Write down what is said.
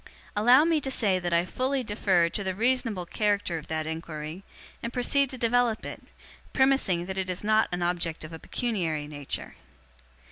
Allow me to say that I fully defer to the reasonable character of that inquiry, and proceed to develop it; premising that it is not an object of a pecuniary nature.